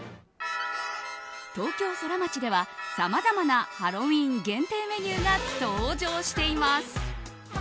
東京ソラマチでは、さまざまなハロウィーン限定メニューが登場しています。